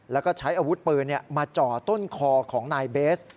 แล้วก็ใช้อาวุธปืนมาจ่อต้นคอของนายเบส